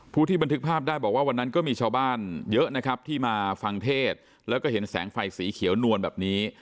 ที่บันทึกภาพได้บอกว่าวันนั้นก็มีชาวบ้านเยอะนะครับที่มาฟังเทศแล้วก็เห็นแสงไฟสีเขียวนวลแบบนี้